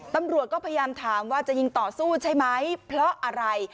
ตำรวจก็พยายามถามว่าจะยิงต่อสู้ใช่ไหมเพราะอะไร